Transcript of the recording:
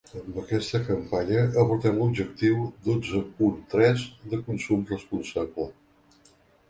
Amb aquesta campanya abordem l’objectiu dotze punt tres de consum responsable.